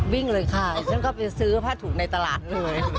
วิ่งเลยค่ะฉันก็ไปซื้อผ้าถุงในตลาดเลย